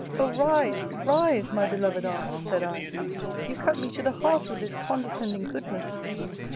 O rise! rise! my beloved Aunt, said I: you cut me to the heart with this condescending goodness.